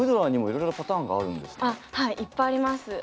いっぱいあります。